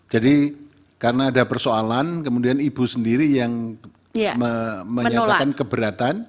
jadi karena ada persoalan kemudian ibu sendiri yang menyatakan keberatan